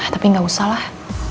tapi gak usahlah